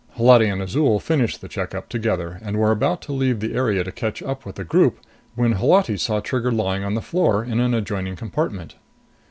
Holati and Azol finished the check up together and were about to leave the area to catch up with the group, when Holati saw Trigger lying on the floor in an adjoining compartment.